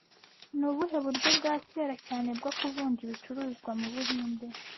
Ni ubuhe buryo bwa kera cyane bwo kuvunja ibicuruzwa mu Buhinde